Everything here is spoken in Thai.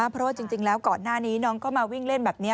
เพราะว่าจริงแล้วก่อนหน้านี้น้องก็มาวิ่งเล่นแบบนี้